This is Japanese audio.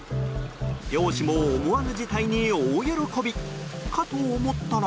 漁師も思わぬ事態に大喜びかと思ったら。